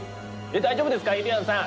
大丈夫ですかゆりやんさん